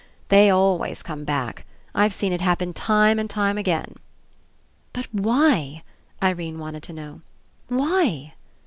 They always come back. I've seen it happen time and time again." ''But why?" Irene wanted to know. "Why?"